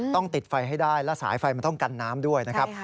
ติดไฟให้ได้และสายไฟมันต้องกันน้ำด้วยนะครับ